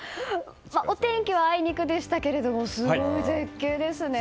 お天気はあいにくでしたけどすごい絶景ですね。